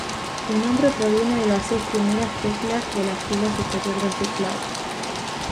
El nombre proviene de las seis primeras teclas de la fila superior del teclado.